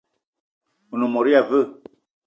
One mot ya veu?